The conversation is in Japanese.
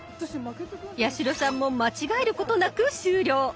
八代さんも間違えることなく終了。